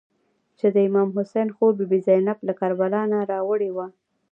چې د امام حسین خور بي بي زینب له کربلا نه راوړې وه.